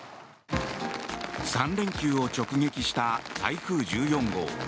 ３連休を直撃した台風１４号。